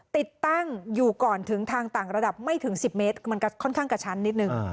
ติดตั้งอยู่ก่อนถึงทางต่างระดับไม่ถึง๑๐เมตรมันค่อนข้างกระชั้นนิดนึง